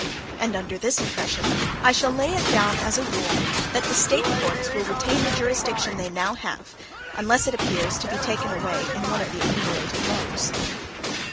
And under this impression, I shall lay it down as a rule, that the State courts will retain the jurisdiction they now have, unless it appears to be taken away in one of the enumerated modes.